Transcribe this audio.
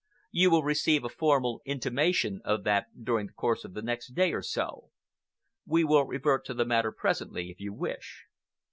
You will receive a formal intimation of that during the course of the next day or so. We will revert to the matter presently, if you wish.